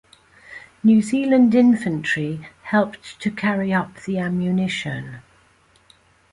New Zealand infantry helped to carry up the ammunition.